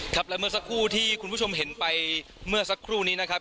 ครับและเมื่อสักครู่ที่คุณผู้ชมเห็นไปเมื่อสักครู่นี้นะครับ